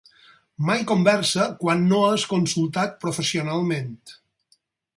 Mai conversa quan no és consultat professionalment.